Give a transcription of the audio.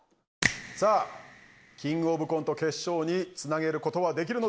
さあキングオブコント決勝につなげる事はできるのでしょうか？